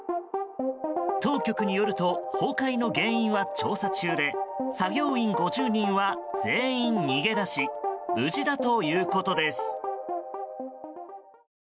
当局によると崩壊の原因は調査中で作業員５０人は全員逃げ出し無事だということです。